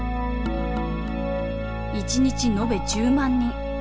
一日延べ１０万人。